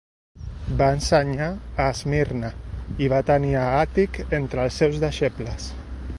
Va ensenyar a Esmirna i va tenir a Àtic entre els seus deixebles.